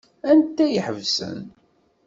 Anta i iḥebsen?